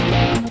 aku mau nolak